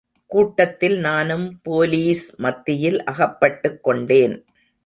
கூட்டத்தில் நானும் போலீஸ் மத்தியில் அகப்பட்டுக்கொண்டேன்.